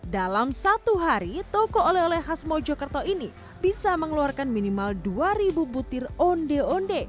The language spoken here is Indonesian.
dalam satu hari toko oleh oleh khas mojokerto ini bisa mengeluarkan minimal dua ribu butir onde onde